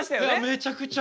めちゃくちゃ。